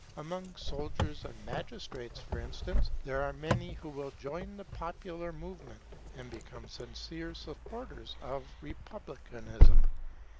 Among soldiers and magistrates, for instance, there are many who will join the popular movement, and become sincere supporters of republicanism.